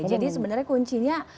jadi sebenarnya kuncinya